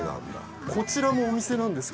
こちらもお店なんですか？